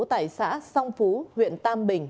tại xã song phú huyện tam bình